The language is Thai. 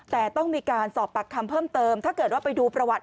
แต่ต้องมีการสอบปากคำเพิ่มเติมถ้าเกิดว่าไปดูประวัติ